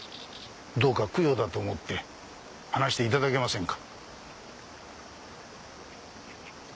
どうか供養だと思って話していただけませんか？